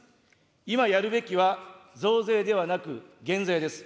今やるべきは、増税ではなく、減税です。